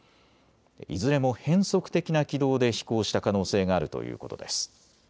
いずれも変則的な軌道で飛行した可能性があるということです。